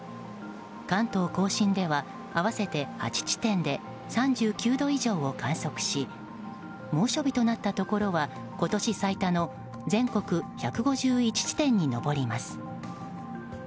関東・甲信では合わせて８地点で３９度以上を観測し猛暑日となったところは今年最多の全国１５１地点に上ります。